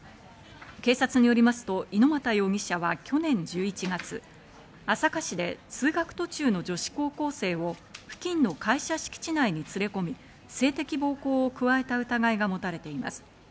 警察によりますと、猪股容疑者は去年１１月、朝霞市で通学途中の女子高校生を付近の会社敷地内に連れ込み性的暴行を加えた疑いが持たれています。